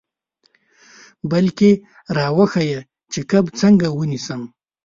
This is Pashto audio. بلکې را وښیه چې کب څنګه ونیسم.